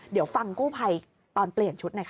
เดี๋ยวฟังกู้ภัยตอนเปลี่ยนชุดหน่อยค่ะ